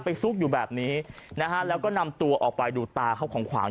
ซุกอยู่แบบนี้นะฮะแล้วก็นำตัวออกไปดูตาเขาขวางขวาง